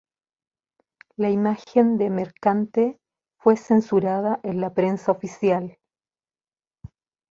La imagen de Mercante fue censurada en la prensa oficial.